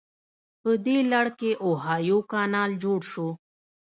په دې لړ کې اوهایو کانال جوړ شو.